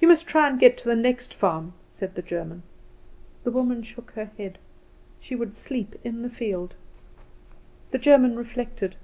"You must try and get to the next farm," said the German. The woman shook her head; she would sleep in the field. The German reflected.